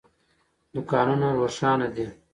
دوکانونه روښانه دي.